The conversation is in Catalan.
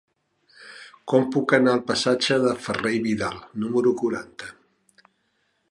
Com puc anar al passatge de Ferrer i Vidal número quaranta?